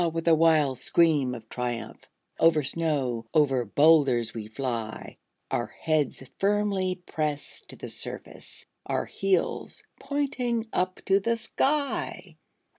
with a wild scream of triumph, Over snow, over boulders we fly, Our heads firmly pressed to the surface, Our heels pointing up to the sky!